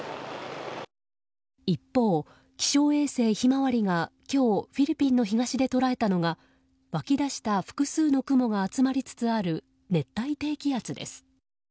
一方、気象衛星ひまわりが今日、フィリピンの東で捉えたのが、湧き出した複数の雲が集まりつつある熱帯低気圧です。